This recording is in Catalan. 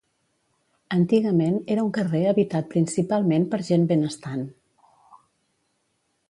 Antigament era un carrer habitat principalment per gent benestant.